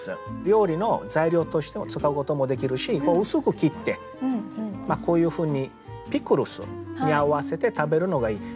料理の材料としても使うこともできるし薄く切ってこういうふうにピクルスに合わせて食べるのがいい。